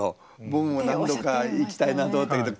僕も何度か行きたいなと思ったけど。